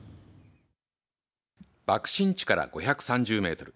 爆心地から５３０メートル。